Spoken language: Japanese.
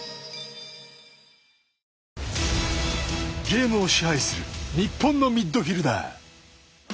ゲームを支配する日本のミッドフィルダー。